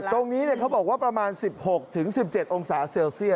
ใช่ตรงนี้เนี่ยเขาบอกว่าประมาณ๑๖๑๗องศาเซลเซีย